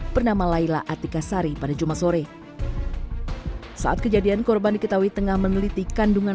bernama laila atika sari pada jumat sore saat kejadian korban diketahui tengah meneliti kandungan